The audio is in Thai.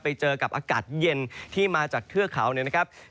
ไปเจอกับอากาศเย็นที่มาจากเทือกเขาเนี่ยนะครับ